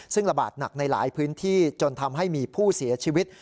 ซึ่งระบาดหนักในหลายพื้นที่จนทำให้มีผู้เสียชีวิต